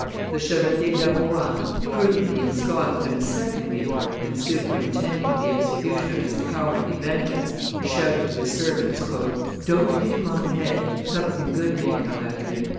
The Chevalier de Rohan, prudently ensconced in a second vehicle, and superintending the execution of his cowardly vengeance, shouted to his servants, "Don't hit him on the head; something good may come out of it."